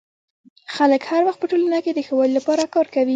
خلک هر وخت په ټولنه کي د ښه والي لپاره کار کوي.